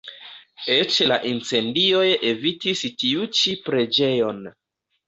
Eĉ la incendioj evitis tiu ĉi preĝejon.